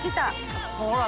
ほら。